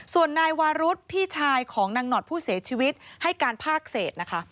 ส่วนนายวารุธพี่ชายของนางหนอดผู้เสียชีวิตให้การภาคเศษนะคะ